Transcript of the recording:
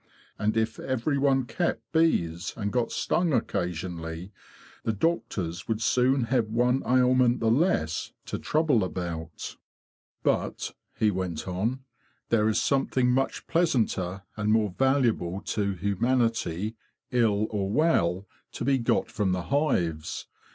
And if every one kept bees, and got stung occasionally, the doctors would soon have one ailment the less to trouble about." "" But," he went on, " there is something much pleasanter and more valuable to humanity, ill or well, to be got from the hives.